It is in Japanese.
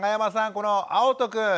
このあおとくん。